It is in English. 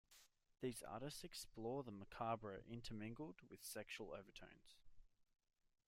These artists explore the macabre intermingled with sexual overtones.